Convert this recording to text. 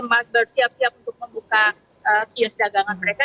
jadi belum siap siap untuk membuka kios dagangan mereka